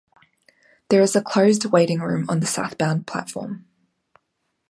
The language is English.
There is a closed waiting room on the southbound platform.